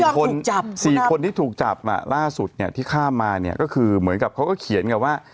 ก็อย่าง๔คนที่ถูกจับล่าสุดที่ข้ามมาเนี่ยก็คือเหมือนกับเขาก็เขียนกับว่า